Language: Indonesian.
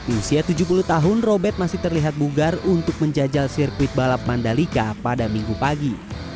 usia tujuh puluh tahun robert masih terlihat bugar untuk menjajal sirkuit balap mandalika pada minggu pagi